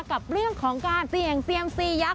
กับเรื่องของการเสี่ยงเซียมซียักษ